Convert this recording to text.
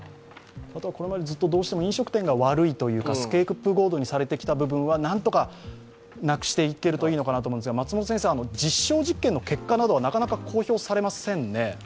これまでずっとどうしても飲食店が悪いというかスケープゴートにされてきたのは何とかなくしていけるといいのかなと思うんですが実証実験の結果はなかなか公表されませんね？